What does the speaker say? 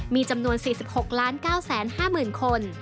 มีจำนวน๔๖๙๕๐๐๐คน